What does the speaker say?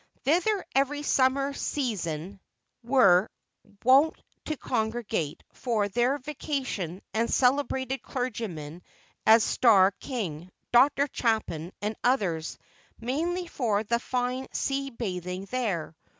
Thither every summer season were wont to congregate, for their vacation, such celebrated clergymen as Starr King, Dr. Chapin, and others, mainly for the fine sea bathing there.